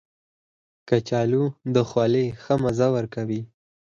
کچالو د خولې ښه مزه ورکوي